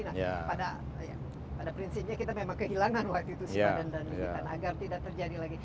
pada prinsipnya kita memang kehilangan waktu itu agar tidak terjadi lagi